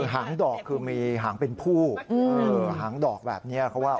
หางดอกคือมีหางเป็นผู้หางดอกแบบนี้เขาว่า